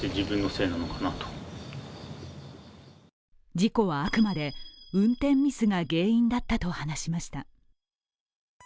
事故はあくまで運転ミスが原因だったと話しました。